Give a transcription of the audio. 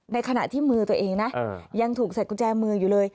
ในขณะที่มือตัวเองนะยังถูกใส่กุญแจมืออยู่เลย